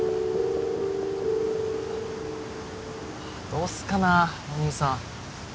どうすっかなお兄さん。